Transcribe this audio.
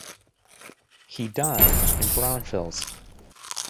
He died in Braunfels.